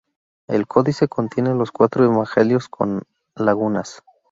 El códice contiene los cuatro Evangelios con lagunas.